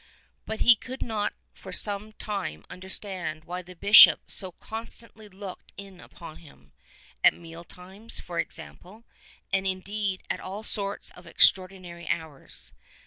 But he could not for some time understand why the Bishop so constantly looked in upon him — at meal times, for example, and indeed at all sorts of extraordinary hours.